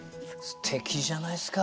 すてきじゃないですか。